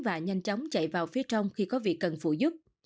và nhanh chóng chạy vào phía trong khi có việc cần phụ giúp